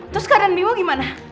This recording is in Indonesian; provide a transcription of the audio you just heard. terus keadaan bimo gimana